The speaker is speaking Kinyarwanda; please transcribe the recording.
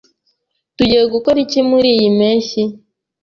Tugiye gukora iki muriyi mpeshyi?